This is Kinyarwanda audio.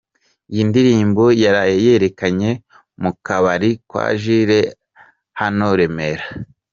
Iyindirimbo yaraye yerekanye mukabare kwa Jule hano remera